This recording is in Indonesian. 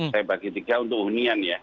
saya bagi tiga untuk hunian ya